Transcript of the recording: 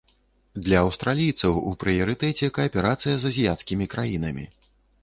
Для аўстралійцаў у прыярытэце кааперацыя з азіяцкімі краінамі.